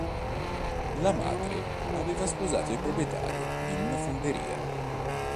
La madre aveva sposato il proprietario di una fonderia.